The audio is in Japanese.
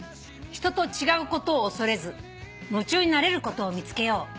「人と違うことを恐れず夢中になれることを見つけよう」